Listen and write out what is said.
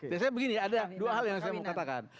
biasanya begini ada dua hal yang saya mau katakan